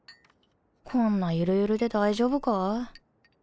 こんなゆるゆるで大丈夫か？